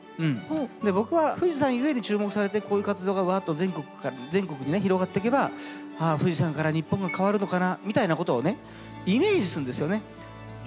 僕は富士山ゆえで注目されてこういう活動がわっと全国にね広がってけばああ富士山から日本が変わるのかなみたいなことをねイメージするんですよね。